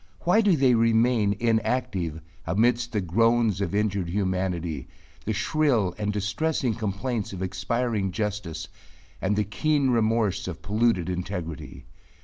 Why do they remain inactive, amidst the groans of injured humanity, the shrill and distressing complaints of expiring justice and the keen remorse of polluted integrity?